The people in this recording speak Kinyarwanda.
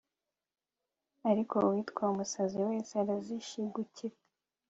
ariko uwitwa umusazi wese arazishigukira